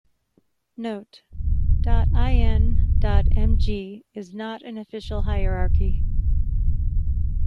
Note: ".in.mg" is not an official hierarchy.